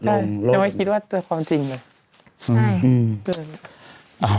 พี่ไม่คิดว่าจะเจอความจริงเลย